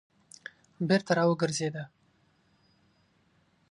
بېرته راوګرځېده.